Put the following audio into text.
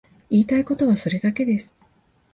言いたいことはそれだけです。